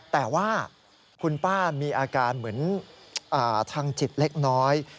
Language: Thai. แต่ว่าคุณป้ามีอาการเหมือนทางจิตเล็กน้อย